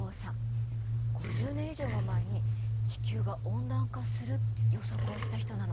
５０年以上も前に地球が温暖化する予測をした人なの。